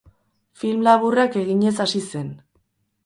Film laburrak eginez hasi zen.